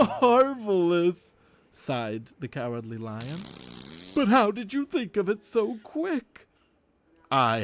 "" Marvelous! " sighed the Cowardly Lion. " But how did you think of it so quick?"